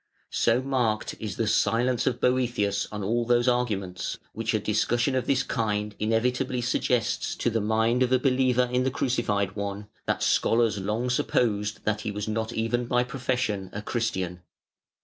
So marked is the silence of Boëthius on all those arguments, which a discussion of this kind inevitably suggests to the mind of a believer in the Crucified One, that scholars long supposed that he was not even by profession a Christian.